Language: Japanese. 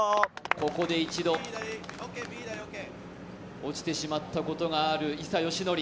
ここで一度、落ちてしまったことがある伊佐嘉矩。